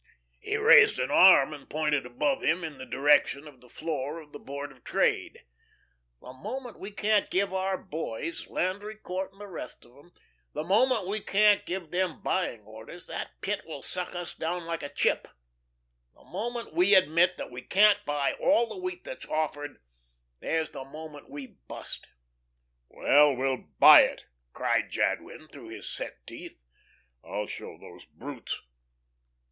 He raised an arm, and pointed above him in the direction of the floor of the Board of Trade. "The moment we can't give our boys Landry Court, and the rest of 'em the moment we can't give them buying orders, that Pit will suck us down like a chip. The moment we admit that we can't buy all the wheat that's offered, there's the moment we bust." "Well, we'll buy it," cried Jadwin, through his set teeth. "I'll show those brutes.